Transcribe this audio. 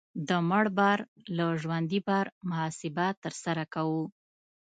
د مړ بار او ژوندي بار محاسبه ترسره کوو